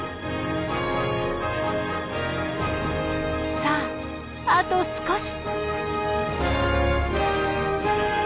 さああと少し！